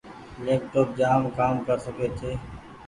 ليپ ٽوپ جآم ڪر ڪسي ڇي ۔